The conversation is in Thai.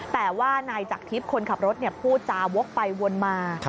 แต่ว่านายจักรทิพย์คนขับรถพูดจาวกไปวนมา